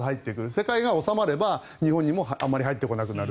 世界が収まれば日本にもあまり入ってこなくなる。